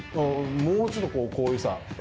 もうちょっとこうこういうさ。